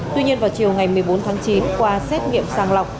tuy nhiên vào chiều ngày một mươi bốn tháng chín qua xét nghiệm sàng lọc